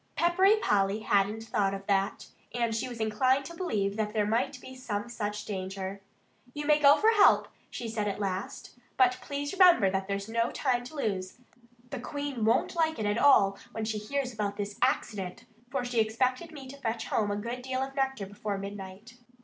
Peppery Polly hadn't thought of that. And she was inclined to believe that there might be some such danger. "You may go for help," she said at last. "But please remember that there's no time to lose. The Queen won't like it at all when she hears about this accident, for she expected me to fetch home a good deal of nectar before midnight."